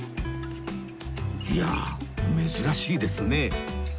いやあ珍しいですね